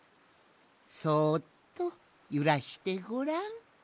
そっとゆらしてごらん。